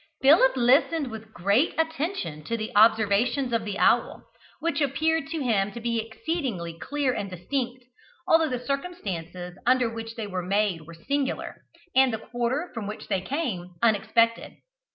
Philip listened with great attention to the observations of the owl, which appeared to him to be exceedingly clear and distinct, although the circumstances under which they were made were singular, and the quarter from which they came unexpected.